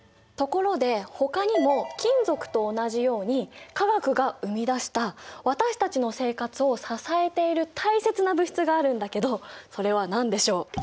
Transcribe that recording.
ところでほかにも金属と同じように化学が生み出した私たちの生活を支えている大切な物質があるんだけどそれは何でしょう？